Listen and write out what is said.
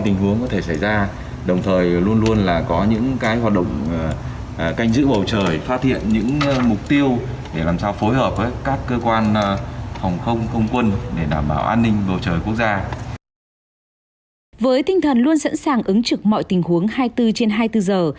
với tinh thần luôn sẵn sàng ứng trực mọi tình huống hai mươi bốn trên hai mươi bốn giờ